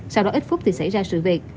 sau đó ít phút thì xảy ra sự việc